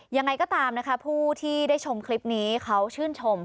ยังไงก็ตามนะคะผู้ที่ได้ชมคลิปนี้เขาชื่นชม